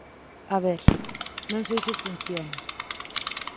A ver, non sei se funciona.